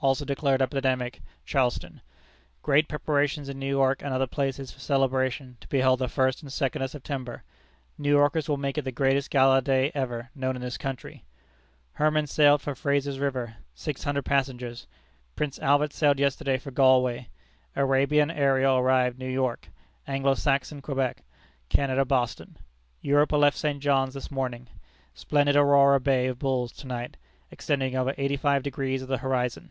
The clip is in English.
Also declared epidemic, Charleston. Great preparations in New York and other places for celebration, to be held the first and second of September. New Yorkers will make it the greatest gala day ever known in this country. Hermann sailed for Fraser's River; six hundred passengers. Prince Albert sailed yesterday for Galway. Arabia and Ariel arrived New York; Anglo Saxon, Quebec; Canada, Boston. Europa left St. John's this morning. Splendid aurora Bay of Bulls to night, extending over eighty five degrees of the horizon."